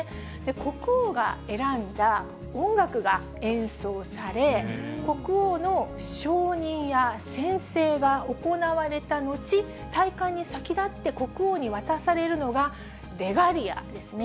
国王が選んだ音楽が演奏され、国王の承認や宣誓が行われた後、戴冠に先立って国王に渡されるのが、レガリアですね。